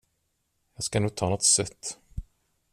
Jag ska nog ta något sött.